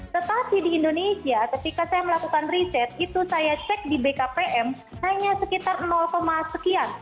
tetapi di indonesia ketika saya melakukan riset itu saya cek di bkpm hanya sekitar sekian